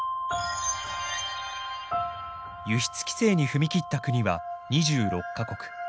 輸出規制に踏み切った国は２６か国。